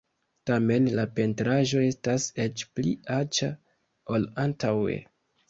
Tamen la pentraĵo estas eĉ pli aĉa ol antaŭe.